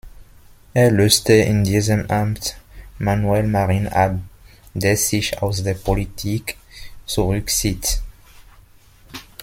Er löste in diesem Amt Manuel Marín ab, der sich aus der Politik zurückzieht.